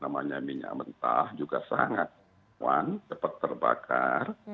minyak mentah juga sangat rawan cepat terbakar